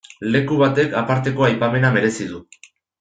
Leku batek aparteko aipamena merezi du.